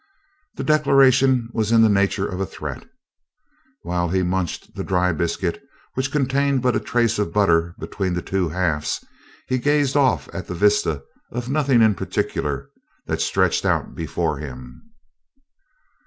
The declaration was in the nature of a threat. While he munched the dry biscuit, which contained but a trace of butter between the two halves, he gazed off at the vista of nothing in particular that stretched out before him.